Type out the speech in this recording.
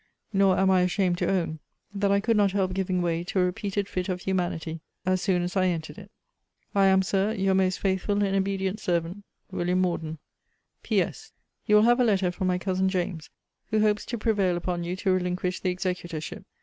Nor am I ashamed to own, that I could not help giving way to a repeated fit of humanity, as soon as I entered it. I am, Sir, Your most faithful and obedient servant, WM. MORDEN. P.S. You will have a letter from my cousin James, who hopes to prevail upon you to relinquish the executorship.